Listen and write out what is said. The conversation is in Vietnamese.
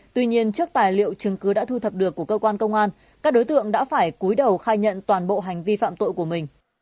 tuy nhiên trước tài liệu chứng cứ đã thu thập được của cơ quan công an các đối tượng đã phải cuối đầu khai nhận toàn bộ hành vi phạm tội của mình